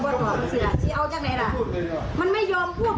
บอกคุณเสือตัวว่ามันไม่ยอมคิดว่า